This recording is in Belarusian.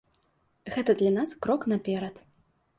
Гэта для нас крок наперад.